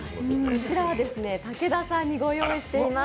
武田さんにご用意しています。